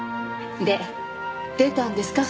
で出たんですか？